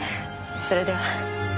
それでは。